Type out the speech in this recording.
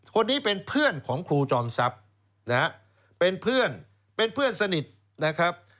คนนี้เป็นเพื่อนของครูจอมทรัพย์เป็นเพื่อนสนิทนะครับ